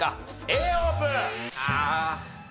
Ａオープン。